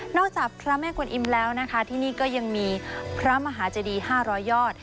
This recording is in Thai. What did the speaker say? จากพระแม่กวนอิมแล้วนะคะที่นี่ก็ยังมีพระมหาเจดี๕๐๐ยอด